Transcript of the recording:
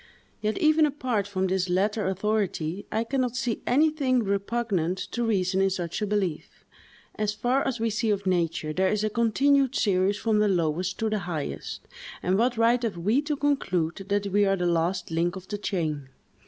Yet, even apart from this latter authority, I can not see anything repugnant to reason in such a belief. As far as we see of nature, there is a continued series from the lowest to the highest; and what right have we to conclude that we are the last link of the chain?